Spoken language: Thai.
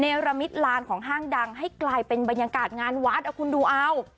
ระมิตลานของห้างดังให้กลายเป็นบรรยากาศงานวัดเอาคุณดูเอา